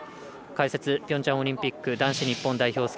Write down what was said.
解説、ピョンチャンオリンピック男子日本代表